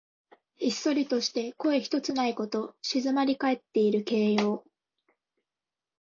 ひっそりとして声ひとつないこと。静まりかえっている形容。